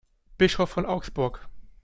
Bischof von Augsburg.